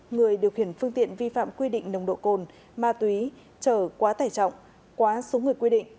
người điều khiển phương tiện vi phạm quy định nồng độ cồn ma túy trở quá tải trọng quá số người quy định